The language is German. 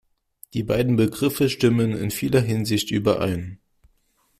Die beiden Begriffe stimmen in vieler Hinsicht überein.